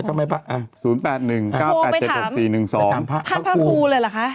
ถามพระครูเลยเหรอ